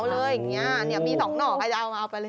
ขาวเลยอย่างนี้มีสองหนอกอาจจะเอามาเอาไปเลย